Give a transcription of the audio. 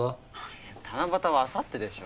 七夕はあさってでしょ？